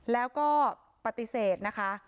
แล้วก็ปฏิเสธนะคะ